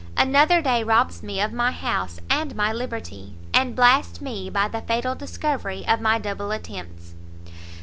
another day robs me of my house and my liberty, and blasts me by the fatal discovery of my double attempts.